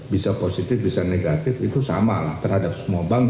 bisa positif bisa negatif itu sama lah terhadap semua bank